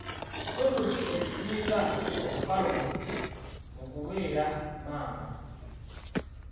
Kitundu ki ekisinga obukalubo mu kubeeramaama?